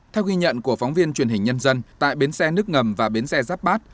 theo ghi nhận của phóng viên truyền hình nhân dân tại bến xe nước ngầm và bến xe giáp bát